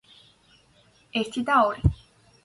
ერთი და ორი.